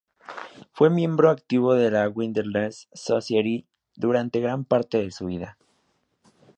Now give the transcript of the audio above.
Fue miembro activo de la Wilderness Society durante gran parte de su vida.